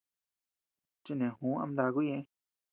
Chineju ama ndakuu ñeʼe.